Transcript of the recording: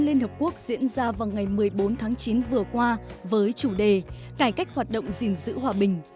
liên hợp quốc diễn ra vào ngày một mươi bốn tháng chín vừa qua với chủ đề cải cách hoạt động gìn giữ hòa bình